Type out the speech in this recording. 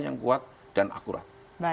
yang kuat dan akurat